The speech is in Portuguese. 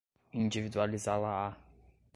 individualizá-la-á